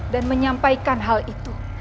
dan menyampaikan hal itu